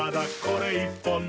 これ１本で」